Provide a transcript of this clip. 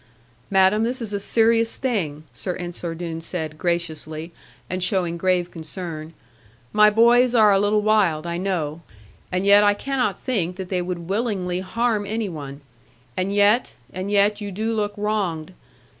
'Madam, this is a serious thing,' Sir Ensor Doone said graciously, and showing grave concern: 'my boys are a little wild, I know. And yet I cannot think that they would willingly harm any one. And yet and yet, you do look wronged.